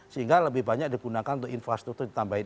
sehingga lebih banyak digunakan untuk infrastruktur ditambahin